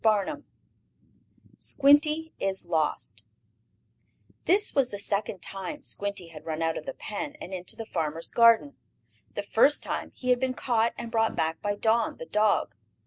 CHAPTER III SQUINTY IS LOST This was the second time Squinty had run out of the pen and into the farmer's garden. The first time he had been caught and brought back by Don, the dog.